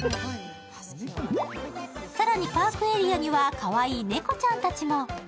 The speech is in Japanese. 更に、パークエリアにはかわいい猫ちゃんたちも。